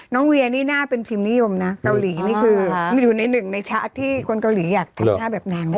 เวียนี่น่าเป็นพิมพ์นิยมนะเกาหลีนี่คืออยู่ในหนึ่งในชาร์จที่คนเกาหลีอยากทำหน้าแบบนางไหม